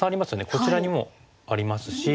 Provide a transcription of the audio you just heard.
こちらにもありますし